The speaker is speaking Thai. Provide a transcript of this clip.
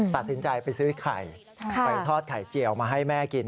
ตัดสินใจไปซื้อไข่ไปทอดไข่เจียวมาให้แม่กิน